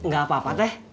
gak apa apa teh